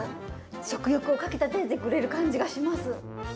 食欲をかきたててくれる感じがします。